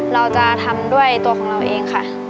เราจะทำด้วยตัวของเราเองค่ะ